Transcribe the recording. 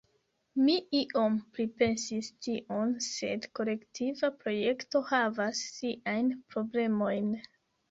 Mi iom pripensis tion, sed kolektiva projekto havas siajn problemojn.